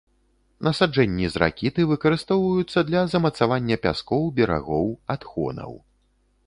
Насаджэнні з ракіты выкарыстоўваюцца для замацавання пяскоў, берагоў, адхонаў.